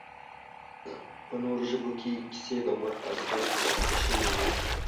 په نورو ژبو کې کیسې د عمر په اساس مشخصېږي